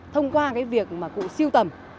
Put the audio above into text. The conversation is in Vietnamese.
thông qua cái việc mà cụ siêu tầm